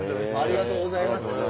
ありがとうございます。